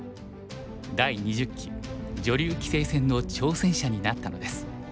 第２０期女流棋聖戦の挑戦者になったのです。